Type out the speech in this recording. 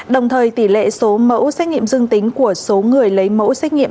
đồng thời tỷ lệ số mẫu xét nghiệm dương tính của số người lấy mẫu xét nghiệm